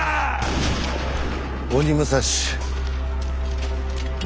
鬼武蔵森